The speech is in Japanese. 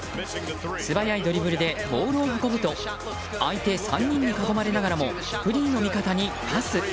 素早いドリブルでボールを運ぶと相手３人に囲まれながらもフリーの味方にパス。